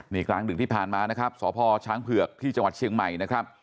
นี่กลางดึกที่ผ่านมานะครับสพช้างเผือกที่จังหวัดเชียงใหม่นะครับ